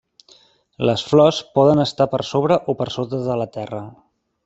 Les flors poden estar per sobre o per sota de la terra.